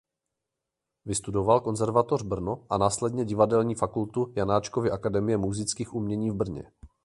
Vystudoval Konzervatoř Brno a následně Divadelní fakultu Janáčkovy akademie múzických umění v Brně.